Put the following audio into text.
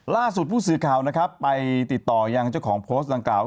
ล่าสุดผู้สื่อข่าวนะครับไปติดต่อยังเจ้าของโพสต์ดังกล่าว